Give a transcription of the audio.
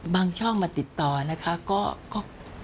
บางช่องติดต่อนะคะก็